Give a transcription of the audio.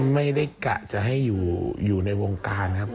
ไม่ได้กะจะให้อยู่ในวงการครับ